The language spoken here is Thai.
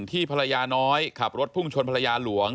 ภรรยาน้อยขับรถพุ่งชนภรรยาหลวง